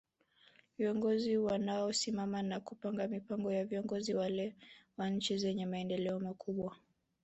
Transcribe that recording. Viongozi wanao simama na kupanga mipango ni viongozi wale wa nchi zenye maendeleo makubwa